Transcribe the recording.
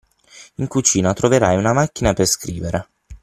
In cucina troverai una macchina per scrivere.